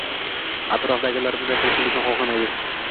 Atrofdagilar bunday qilishingizni xohlamaydi.